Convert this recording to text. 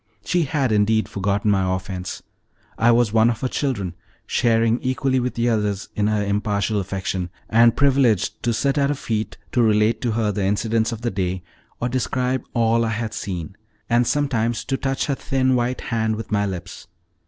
She had indeed forgotten my offense: I was one of her children, sharing equally with the others in her impartial affection, and privileged to sit at her feet to relate to her the incidents of the day, or describe all I had seen, and sometimes to touch her thin white hand with my lips.